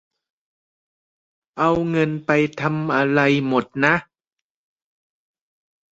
เอาเงินไปทำอะไรหมดนะ